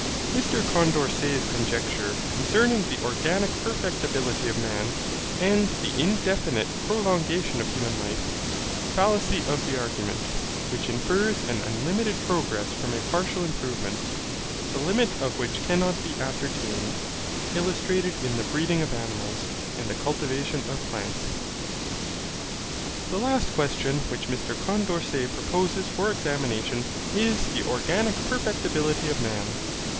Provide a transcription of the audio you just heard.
CHAPTER 9 Mr Condorcet's conjecture concerning the organic perfectibility of man, and the indefinite prolongation of human life Fallacy of the argument, which infers an unlimited progress from a partial improvement, the limit of which cannot be ascertained, illustrated in the breeding of animals, and the cultivation of plants. The last question which Mr Condorcet proposes for examination is the organic perfectibility of man.